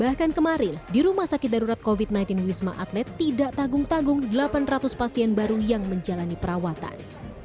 bahkan kemarin di rumah sakit darurat covid sembilan belas wisma atlet tidak tagung tagung delapan ratus pasien baru yang menjalani perawatan